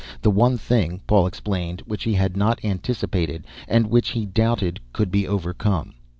The one thing, Paul explained, which he had not anticipated and which he doubted could be overcome.